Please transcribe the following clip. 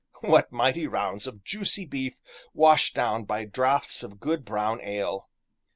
What mighty rounds of juicy beef, washed down by draughts of good brown ale!